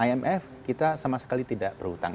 imf kita sama sekali tidak berhutang